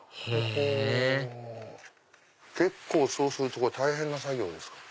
へぇ結構そうするとこれ大変な作業ですか。